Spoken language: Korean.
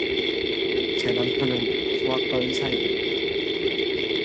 제 남편은 소아과 의사예요.